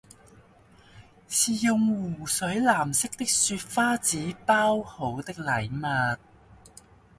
是用湖水藍色的雪花紙包好的禮物，